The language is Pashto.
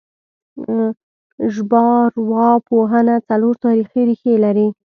ژبارواپوهنه څلور تاریخي ریښې لري